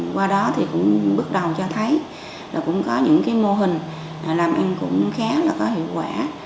qua đó thì cũng bước đầu cho thấy là cũng có những cái mô hình làm ăn cũng khá là có hiệu quả